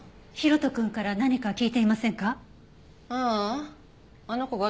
大翔くんから何か聞いていませんか？